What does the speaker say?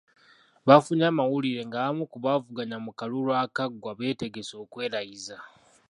Bafunye amawulire ng'abamu ku baavuganya mu kalulu akaggwa bategese okwerayiza.